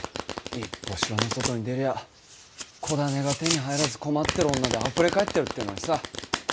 一歩城の外に出りゃ子種が手に入らず困ってる女であふれかえってるってのにさ。